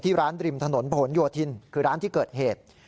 ร้านริมถนนผนโยธินคือร้านที่เกิดเหตุ